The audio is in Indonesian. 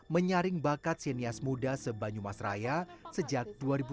menyaring bakat sinias muda sebanyumasraya sejak dua ribu tujuh